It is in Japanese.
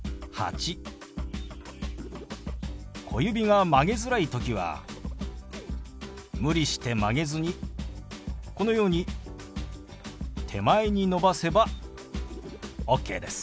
小指が曲げづらい時は無理して曲げずにこのように手前に伸ばせばオッケーです。